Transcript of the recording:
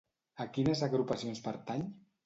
A quines agrupacions pertany?